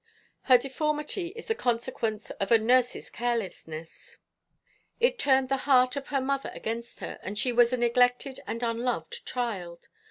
Her deformity is the consequence of a nurse's carelessness. It turned the heart of her mother against her, and she was a neglected and unloved child.